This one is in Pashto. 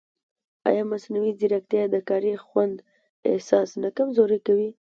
ایا مصنوعي ځیرکتیا د کاري خوند احساس نه کمزورې کوي؟